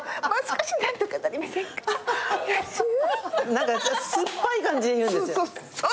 何か酸っぱい感じで言うんです。